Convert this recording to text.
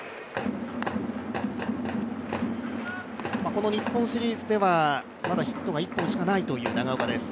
この日本シリーズではまだヒットが１本しかないという長岡です。